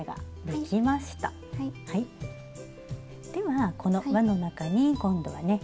はこのわの中に今度はね